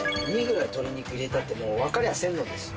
鶏肉入れたってもう分かりゃせんのですよ。